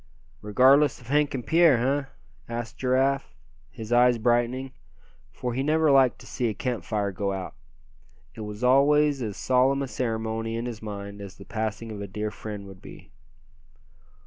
"Regardless of Hank and Pierre, eh?" asked Giraffe, his eyes brightening; for he never liked to see a camp fire go out; it was always as solemn a ceremony in his mind as the passing of a dear friend would be.